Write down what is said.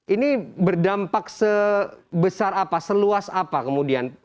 ini berdampak sebesar apa seluas apa kemudian